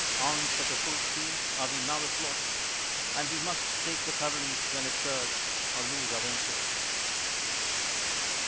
On such a full sea are we now afloat; And we must take the current when it serves, Or lose our ventures.